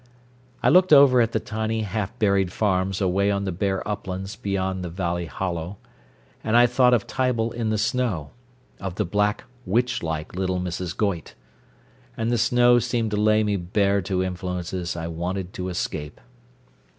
I looked over at the tiny, half buried farms away on the bare uplands beyond the valley hollow, and I thought of Tible in the snow, of the black, witch like little Mrs. Goyte. And the snow seemed to lay me bare to influences I wanted to escape.